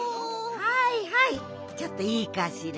はいはいちょっといいかしら。